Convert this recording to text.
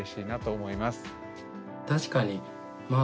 確かにま